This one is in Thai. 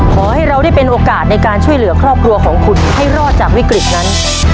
ขอให้เราได้เป็นโอกาสในการช่วยเหลือครอบครัวของคุณให้รอดจากวิกฤตนั้น